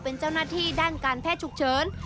เป็นเจ้าหน้าที่ด้านการแพทย์ฉุกเฉิน